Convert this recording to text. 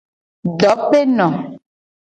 Dopeno.